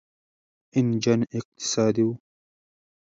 انجن اقتصادي و.